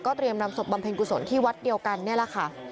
เตรียมนำศพบำเพ็ญกุศลที่วัดเดียวกันนี่แหละค่ะ